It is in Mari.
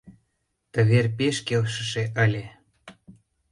Ты вер пеш келшыше ыле.